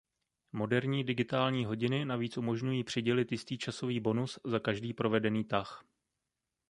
Moderní digitální hodiny navíc umožňují přidělit jistý časový bonus za každý provedený tah.